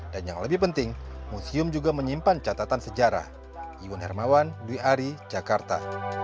dan yang lebih penting museum juga menyimpan catatan sejarah iwan hermawan dwi ari jakarta